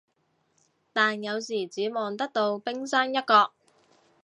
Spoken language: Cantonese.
但有時只望得到冰山一角